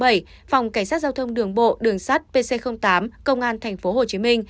phòng cảnh sát giao thông đường bộ đường sát pc tám công an tp hcm